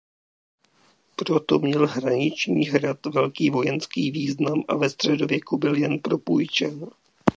Proto měl hraniční hrad velký vojenský význam a ve středověku byl jen propůjčen.